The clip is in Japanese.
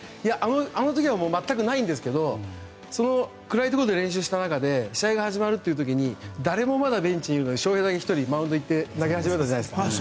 あの時は全くないんですけど暗いところで練習した中で試合が始まる時に誰もベンチにいないのに翔平だけ投げ始めたじゃないですか。